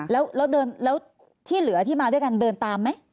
แล้วที่เหลือที่มาด้วยกันเดินตามไหม